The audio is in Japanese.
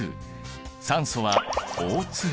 酸素はＯ。